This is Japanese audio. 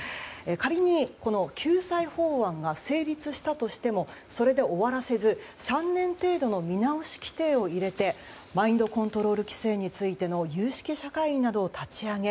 仮に救済法案が成立したとしてもそれで終わらせず３年程度の見直し規定を入れてマインドコントロール規制についての有識者会議などを立ち上げ